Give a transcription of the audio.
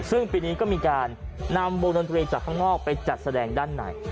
ซึ่งปีนี้ก็มีการนำวงดนตรีจากข้างนอกไปจัดแสดงด้านใน